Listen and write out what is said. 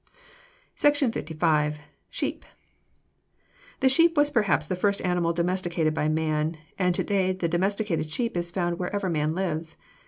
SECTION LV. SHEEP The sheep was perhaps the first animal domesticated by man, and to day the domesticated sheep is found wherever man lives.